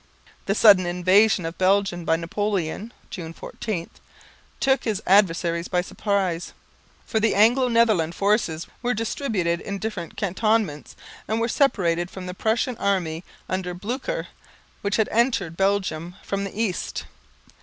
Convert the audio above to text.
The sudden invasion of Belgium by Napoleon (June 14) took his adversaries by surprise, for the Anglo Netherland forces were distributed in different cantonments and were separated from the Prussian army under Blücher, which had entered Belgium from the east.